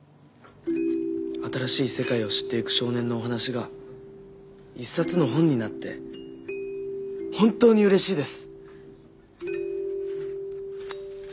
新しい世界を知っていく少年のお話が一冊の本になって本当にうれしいです！